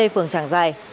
phường tràng giai